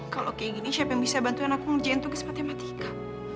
kalau kayak gini siapa yang bisa bantuin aku ngerjain tugas matematika